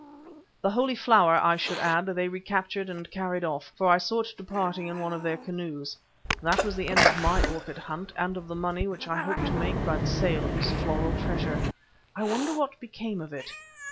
The Holy Flower, I should add, they recaptured and carried off, for I saw it departing in one of their canoes. That was the end of my orchid hunt and of the money which I hoped to make by the sale of this floral treasure. I wonder what became of it.